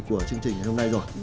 của chương trình ngày hôm nay rồi